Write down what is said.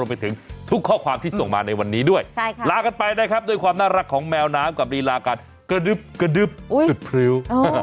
ไปถึงทุกข้อความที่ส่งมาในวันนี้ด้วยลากันไปนะครับด้วยความน่ารักของแมวน้ำกับลีลาการกระดึ๊บกระดึบสุดพริ้ว